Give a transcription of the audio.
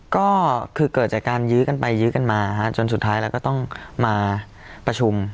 ก็คือเกิดจากการยื้อกันไปยื้อกันมาจนสุดท้ายแล้วก็ต้องมาประชุม